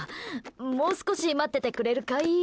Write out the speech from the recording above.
もう少し待っててくれるかい？